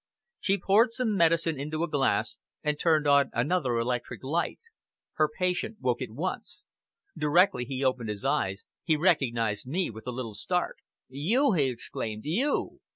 She poured some medicine into a glass, and turned on another electric light. Her patient woke at once. Directly he opened his eyes, he recognized me with a little start. "You!" he exclaimed. "You!"